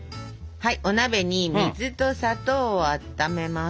はいお鍋に水と砂糖をあっためます。